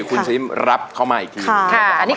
คุณซิมรับเข้ามาอีกที